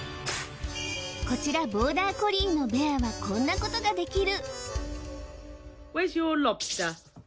こちらボーダーコリーのベアはこんなことができる